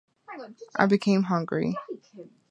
I became hungry.